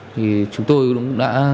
thì chúng tôi cũng đã